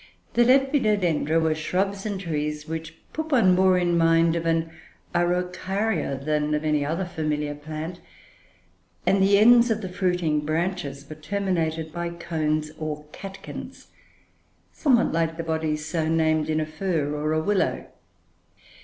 The Lepidodendra were shrubs and trees which put one more in mind of an Araucaria than of any other familiar plant; and the ends of the fruiting branches were terminated by cones, or catkins, somewhat like the bodies so named in a fir, or a willow.